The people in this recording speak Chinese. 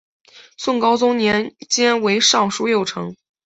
宋高宗年间为尚书右丞。